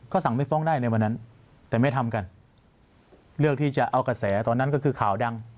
สั่งไม่ฟ้องได้ในวันนั้นแต่ไม่ทำกันเลือกที่จะเอากระแสตอนนั้นก็คือข่าวดัง